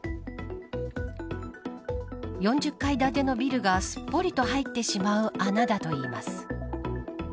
４０階建てのビルがすっぽりと入ってしまう穴だといいます。